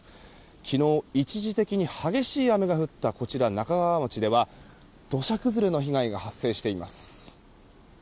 昨日、一時的に激しい雨が降った那珂川町では土砂崩れの被害が発生しています。